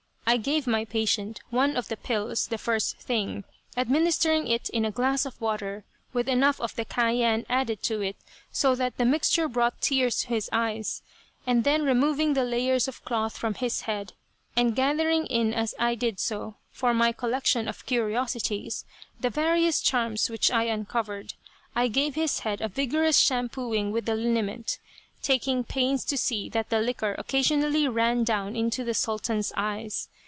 I gave my patient one of the pills the first thing, administering it in a glass of water with enough of the cayenne added to it so that the mixture brought tears to his eyes, and then removing the layers of cloth from his head, and gathering in as I did so, for my collection of curiosities, the various charms which I uncovered, I gave his head a vigorous shampooing with the liniment, taking pains to see that the liquor occasionally ran down into the Sultan's eyes.